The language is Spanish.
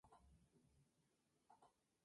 Pedagogo musical de excelencia.